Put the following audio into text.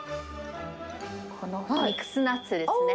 このミックスナッツですね。